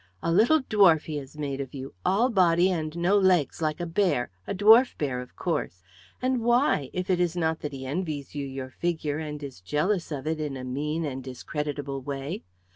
A little dwarf he has made of you, all body and no legs like a bear, a dwarf bear, of course; and why, if it is not that he envies you your figure and is jealous of it in a mean and discreditable way?